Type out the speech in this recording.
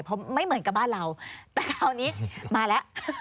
เพราะไม่เหมือนกับบ้านเราแต่คราวนี้มาแล้ว